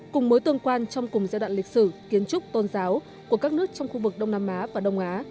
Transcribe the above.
cùng mối tương quan trong cùng giai đoạn lịch sử kiến trúc tôn giáo của các nước trong khu vực đông nam á và đông á